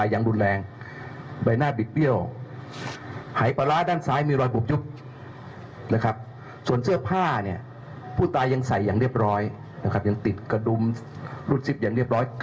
ยังใส่อย่างเรียบร้อยยังติดกระดุมรุ่นซิปอย่างเรียบร้อย